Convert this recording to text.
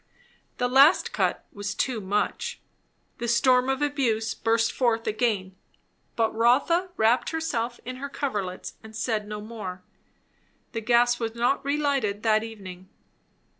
That last cut was too much. The storm of abuse burst forth again; but Rotha wrapped herself in her coverlets and said no more. The gas was not relighted that evening.